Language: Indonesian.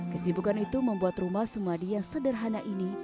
kesibukan itu membuat rumah sumadi yang sederhana ini